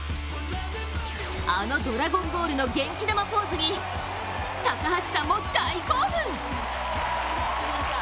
あの「ドラゴンボール」の元気玉ポーズに高橋さんも大興奮！